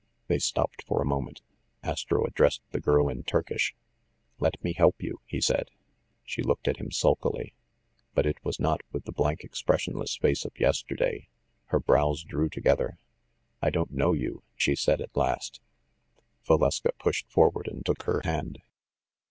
They stopped for a moment. Astro addressed the girl in Turkish. "Let me help you," he said. She looked at him sulkily. But it was not with the blank expressionless face of yesterday. Her brows drew together. "I don't know you," she said at last. NUMBER THIRTEEN 181 Valeska pushed forward and took Her hand.